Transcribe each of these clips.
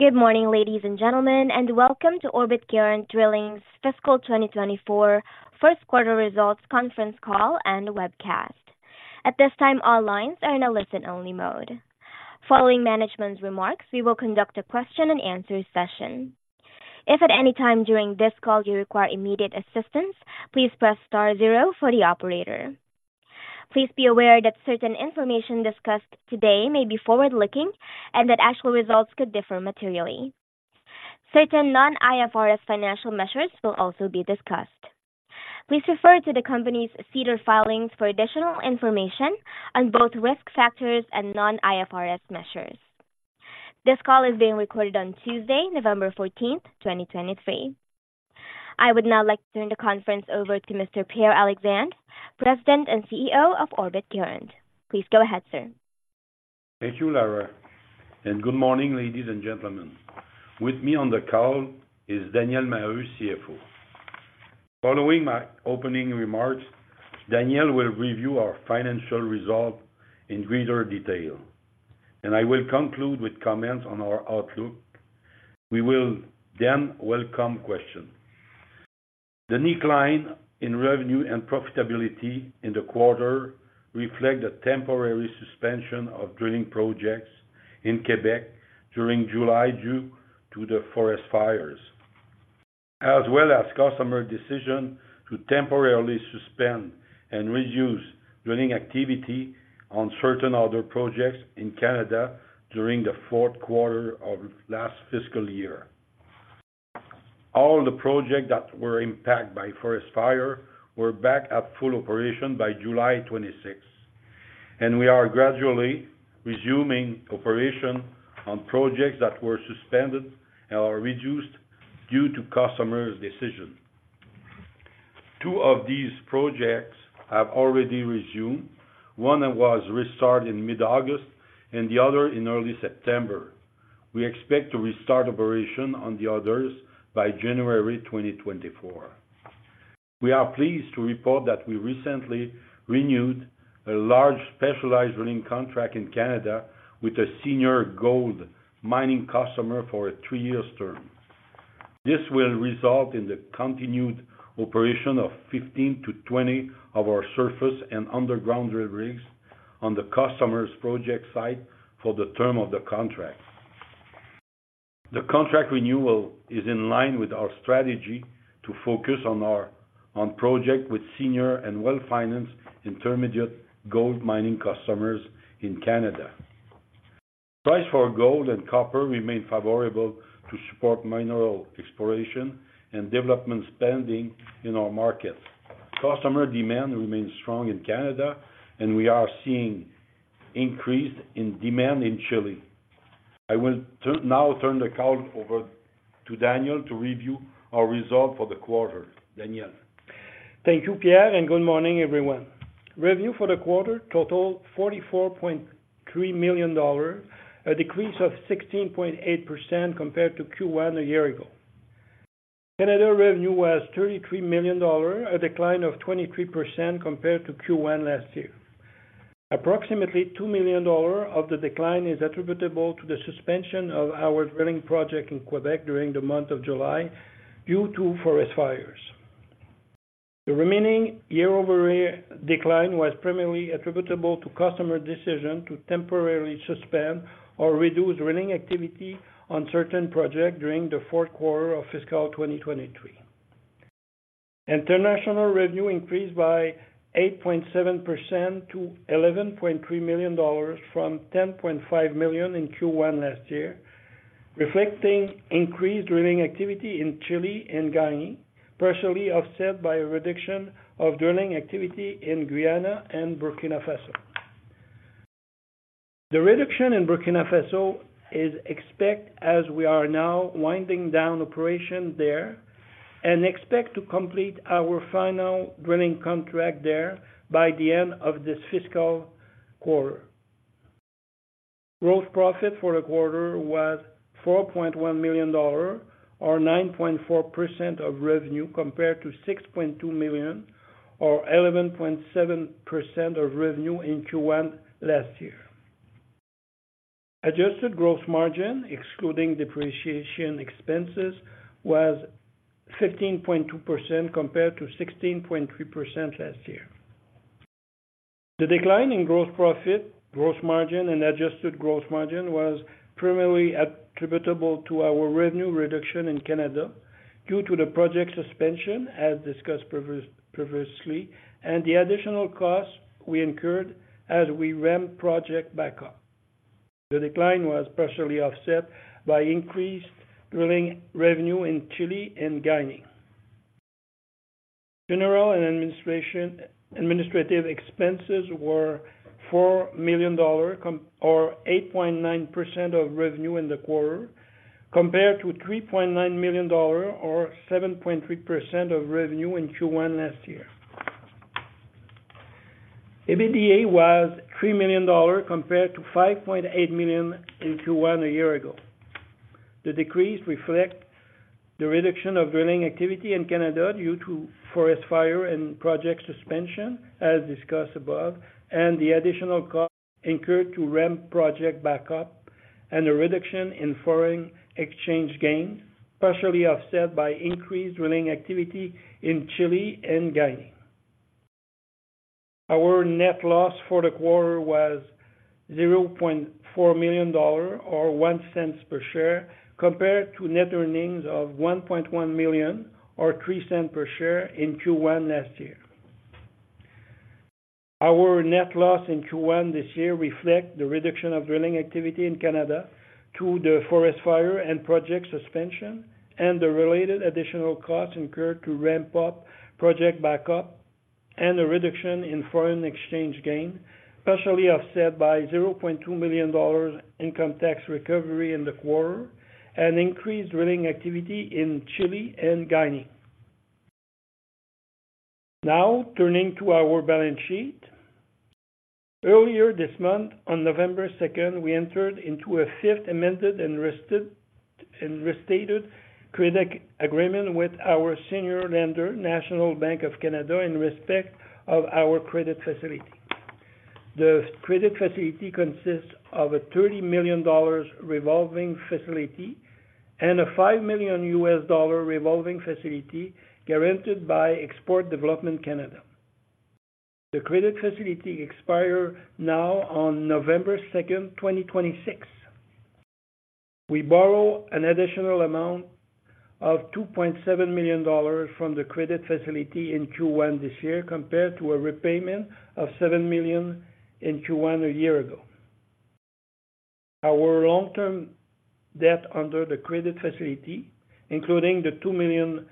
Good morning, ladies and gentlemen, and welcome to Orbit Garant Drilling's fiscal 2024 First Quarter Results conference call and webcast. At this time, all lines are in a listen-only mode. Following management's remarks, we will conduct a question and answer session. If at any time during this call you require immediate assistance, please press star zero for the operator. Please be aware that certain information discussed today may be forward-looking and that actual results could differ materially. Certain non-IFRS financial measures will also be discussed. Please refer to the company's SEDAR filings for additional information on both risk factors and non-IFRS measures. This call is being recorded on Tuesday, November 14, 2023. I would now like to turn the conference over to Mr. Pierre Alexandre, President and CEO of Orbit Garant. Please go ahead, sir. Thank you, Lara, and good morning, ladies and gentlemen. With me on the call is Daniel Maheu, CFO. Following my opening remarks, Daniel will review our financial results in greater detail, and I will conclude with comments on our outlook. We will then welcome questions. The decline in revenue and profitability in the quarter reflect a temporary suspension of drilling projects in Quebec during July, due to the forest fires, as well as customer decision to temporarily suspend and reduce drilling activity on certain other projects in Canada during the fourth quarter of last fiscal year. All the projects that were impacted by forest fire were back at full operation by July 26, and we are gradually resuming operation on projects that were suspended and are reduced due to customers' decision. Two of these projects have already resumed. One was restarted in mid-August and the other in early September. We expect to restart operations on the others by January 2024. We are pleased to report that we recently renewed a large specialized drilling contract in Canada with a senior gold mining customer for a three year term. This will result in the continued operation of 15-20 of our surface and underground drill rigs on the customer's project site for the term of the contract. The contract renewal is in line with our strategy to focus on our projects with senior and well-financed intermediate gold mining customers in Canada. Prices for gold and copper remain favorable to support mineral exploration and development spending in our markets. Customer demand remains strong in Canada and we are seeing increase in demand in Chile. I will now turn the call over to Daniel to review our results for the quarter. Daniel? Thank you, Pierre, and good morning, everyone. Revenue for the quarter totaled $44.3 million, a decrease of 16.8% compared to Q1 a year ago. Canada revenue was $33 million, a decline of 23% compared to Q1 last year. Approximately $2 million of the decline is attributable to the suspension of our drilling project in Quebec during the month of July due to forest fires. The remaining year-over-year decline was primarily attributable to customer decision to temporarily suspend or reduce drilling activity on certain projects during the fourth quarter of fiscal 2023. International revenue increased by 8.7% to $11.3 million from $10.5 million in Q1 last year, reflecting increased drilling activity in Chile and Guinea, partially offset by a reduction of drilling activity in Guyana and Burkina Faso. The reduction in Burkina Faso is expected as we are now winding down operation there and expect to complete our final drilling contract there by the end of this fiscal quarter. Gross profit for the quarter was $4.1 million, or 9.4% of revenue, compared to $6.2 million, or 11.7% of revenue in Q1 last year. Adjusted gross margin, excluding depreciation expenses, was 15.2%, compared to 16.3% last year. The decline in gross profit, gross margin, and adjusted gross margin was primarily attributable to our revenue reduction in Canada due to the project suspension, as discussed previously, and the additional costs we incurred as we ramp project back up. The decline was partially offset by increased drilling revenue in Chile and Guinea. General and administration, administrative expenses were $4 million, com... or 8.9% of revenue in the quarter, compared to $3.9 million or 7.3% of revenue in Q1 last year. EBITDA was $3 million compared to $5.8 million in Q1 a year ago. The decrease reflects the reduction of drilling activity in Canada due to forest fire and project suspension, as discussed above, and the additional cost incurred to ramp project back up and a reduction in foreign exchange gains, partially offset by increased drilling activity in Chile and Guinea. Our net loss for the quarter was $0.4 million, or $0.01 per share, compared to net earnings of $1.1 million, or $0.03 per share in Q1 last year. Our net loss in Q1 this year reflects the reduction of drilling activity in Canada due to the forest fires and project suspensions, and the related additional costs incurred to ramp up projects back up and a reduction in foreign exchange gain, partially offset by $0.2 million income tax recovery in the quarter and increased drilling activity in Chile and Guinea. Now, turning to our balance sheet. Earlier this month, on November 2, we entered into a fifth amended and restated credit agreement with our senior lender, National Bank of Canada, in respect of our credit facility. The credit facility consists of a $30 million revolving facility and a $5 million revolving facility guaranteed by Export Development Canada. The credit facility expires now on November 2, 2026. We borrowed an additional amount of $2.7 million from the credit facility in Q1 this year, compared to a repayment of $7 million in Q1 a year ago. Our long-term debt under the credit facility, including the $2 million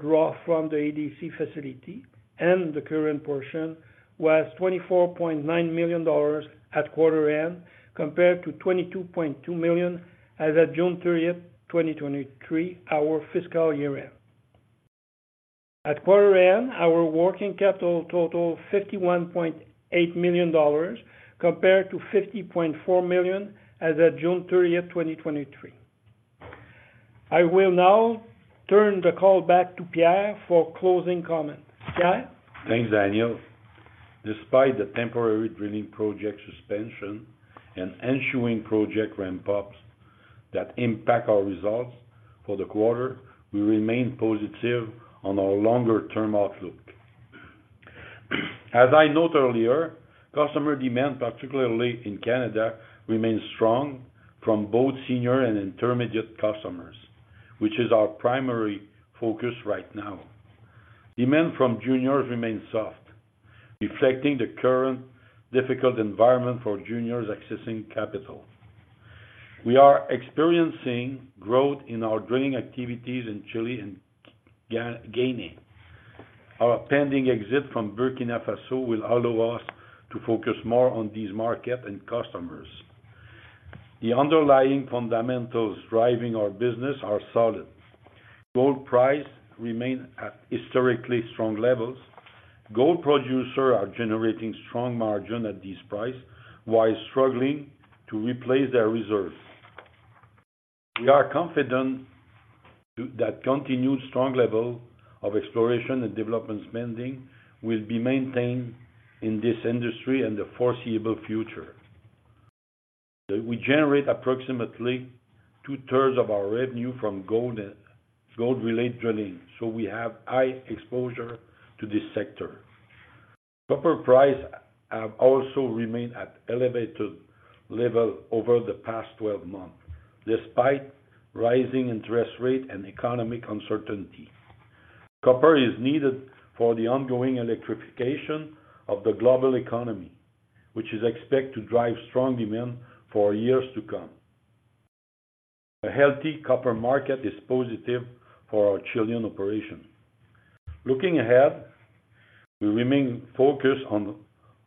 draw from the EDC facility and the current portion, was $24.9 million at quarter end, compared to $22.2 million as at June 30, 2023, our fiscal year end. At quarter end, our working capital totaled $51.8 million, compared to $50.4 million as at June 30, 2023. I will now turn the call back to Pierre for closing comments. Pierre? Thanks, Daniel. Despite the temporary drilling project suspension and ensuing project ramp-ups that impact our results for the quarter, we remain positive on our longer-term outlook. As I noted earlier, customer demand, particularly in Canada, remains strong from both senior and intermediate customers, which is our primary focus right now. Demand from juniors remains soft, reflecting the current difficult environment for juniors accessing capital. We are experiencing growth in our drilling activities in Chile and Guinea. Our pending exit from Burkina Faso will allow us to focus more on these markets and customers. The underlying fundamentals driving our business are solid. Gold prices remain at historically strong levels. Gold producers are generating strong margins at this price while struggling to replace their reserves. We are confident that continued strong level of exploration and development spending will be maintained in this industry in the foreseeable future. We generate approximately two-thirds of our revenue from gold and gold-related drilling, so we have high exposure to this sector. Copper prices have also remained at elevated levels over the past 12 months, despite rising interest rates and economic uncertainty. Copper is needed for the ongoing electrification of the global economy, which is expected to drive strong demand for years to come. A healthy copper market is positive for our Chilean operations. Looking ahead, we remain focused on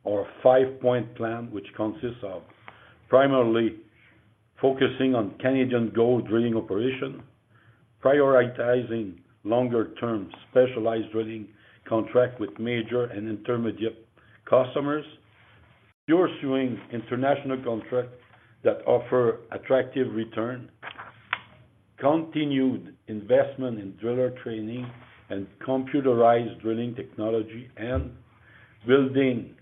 our five-point plan, which consists of primarily focusing on Canadian gold drilling operations, prioritizing longer-term specialized drilling contracts with major and intermediate customers, pursuing international contracts that offer attractive returns, continued investment in driller training and computerized drilling technology, and building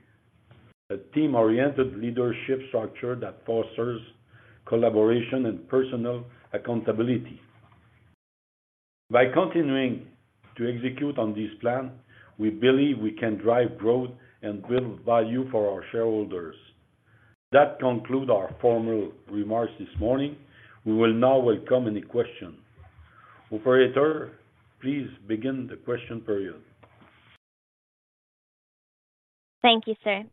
a team-oriented leadership structure that fosters collaboration and personal accountability. By continuing to execute on this plan, we believe we can drive growth and build value for our shareholders. That concludes our formal remarks this morning. We will now welcome any question. Operator, please begin the question period. Thank you, sir.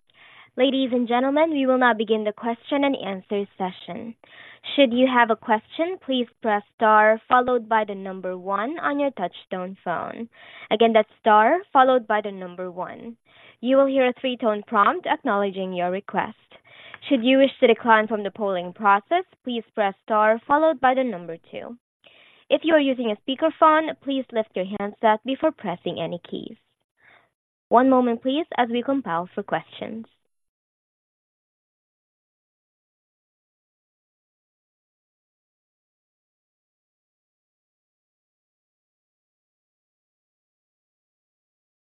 Ladies and gentlemen, we will now begin the question-and-answer session. Should you have a question, please press star followed by the number one on your touch-tone phone. Again, that's star followed by the number one. You will hear a three tone prompt acknowledging your request. Should you wish to decline from the polling process, please press star followed by the number two. If you are using a speakerphone, please lift your handset before pressing any keys. One moment, please, as we poll for questions.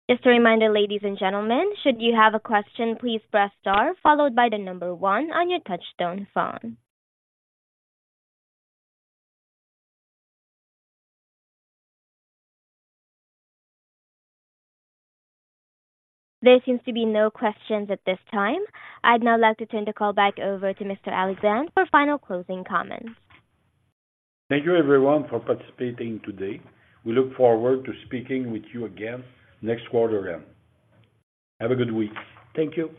Just a reminder, ladies and gentlemen, should you have a question, please press star followed by the number one on your touch-tone phone. There seems to be no questions at this time. I'd now like to turn the call back over to Mr. Alexandre for final closing comments. Thank you, everyone, for participating today. We look forward to speaking with you again next quarter end. Have a good week. Thank you.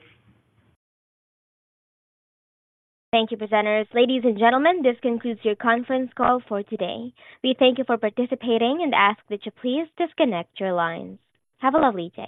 Thank you, presenters. Ladies and gentlemen, this concludes your conference call for today. We thank you for participating and ask that you please disconnect your lines. Have a lovely day.